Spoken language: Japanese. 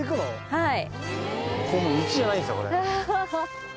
はい。